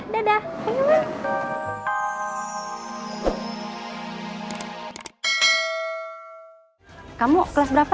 dadah panggil luan